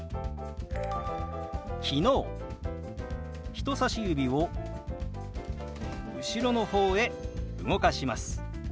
人さし指を後ろの方へ動かします。